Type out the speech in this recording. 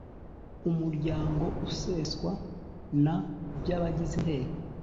Umuryango useswa na by abagize Inteko